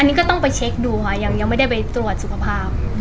อันนี้ก็ต้องไปเช็คดูค่ะยังไม่ได้ไปตรวจสุขภาพ